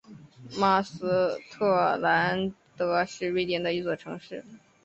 马斯特兰德是瑞典的一座城市。